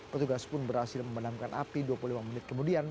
petugas pun berhasil memadamkan api dua puluh lima menit kemudian